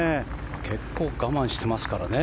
結構我慢してますからね。